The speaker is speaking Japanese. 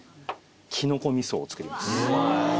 キノコ味噌を作ります。